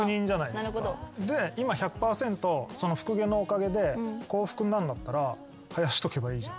で今１００％その福毛のおかげで幸福なんだったら生やしとけばいいじゃん。